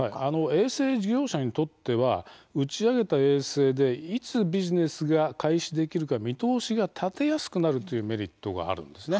衛星事業者にとっては打ち上げた衛星でいつビジネスが開始できるか見通しが立てやすくなるというメリットがあるんです。